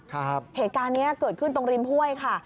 เหตุการณ์นี้เกิดขึ้นตรงริมห้วยค่ะ